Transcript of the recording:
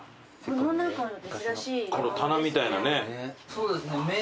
そうですね。